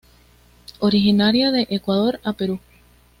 Originaria de Ecuador a Perú.